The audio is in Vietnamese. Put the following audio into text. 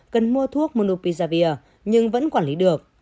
cần mua thuốc monopizavir nhưng vẫn quản lý được